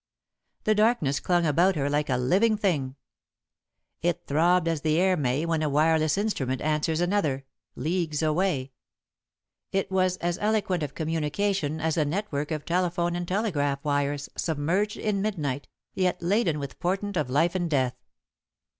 The darkness clung about her like a living thing. It throbbed as the air may when a wireless instrument answers another, leagues away; it was as eloquent of communication as a network of telephone and telegraph wires, submerged in midnight, yet laden with portent of life and death.